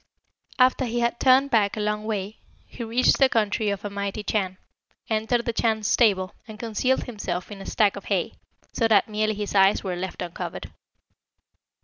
"After he had turned back a long way, he reached the country of a mighty Chan, entered the Chan's stable, and concealed himself in a stack of hay, so that merely his eyes were left uncovered.